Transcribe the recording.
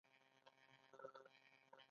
مقابل لوری باید وانخیستی شي.